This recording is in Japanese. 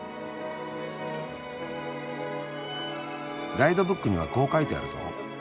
ガイドブックにはこう書いてあるぞ。